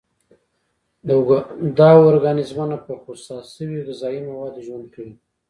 دا ارګانیزمونه په خوسا شوي غذایي موادو ژوند کوي.